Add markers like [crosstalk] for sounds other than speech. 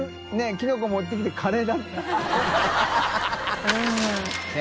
キノコ持ってきてカレー [laughs]